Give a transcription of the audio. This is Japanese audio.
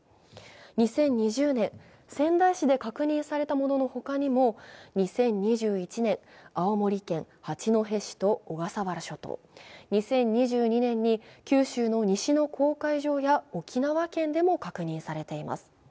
２０２０年、仙台市で確認されたものの他にも２０２１年に青森県八戸と小笠原諸島、２０２２年に九州の西の公海上や沖縄県でも確認されています。